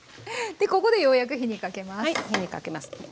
でここでようやく火にかけます。